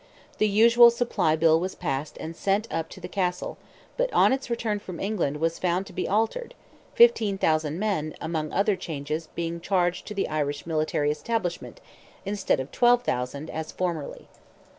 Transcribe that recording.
The usual supply bill was passed and sent up to the castle, but on its return from England was found to be altered—15,000 men, among other changes, being charged to the Irish military establishment, instead of 12,000, as formerly.